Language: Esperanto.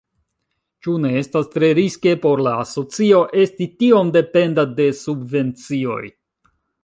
Ĉu ne estas tre riske por la asocio esti tiom dependa de subvencioj?